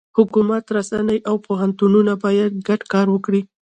حکومت، رسنۍ، او پوهنتونونه باید ګډ کار وکړي.